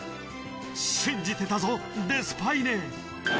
「信じてたぞデスパイネ」